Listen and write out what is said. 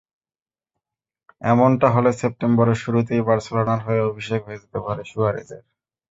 এমনটা হলে সেপ্টেম্বরের শুরুতেই বার্সেলোনার হয়ে অভিষেক হয়ে যেতে পারে সুয়ারেজের।